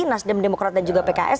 nasdem demokrat dan juga pks